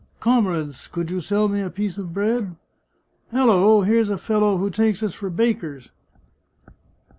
" Comrades, could you sell me a piece of bread ?"" Halloo, here's a fellow who takes us for bakers